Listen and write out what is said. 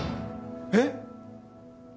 えっ！？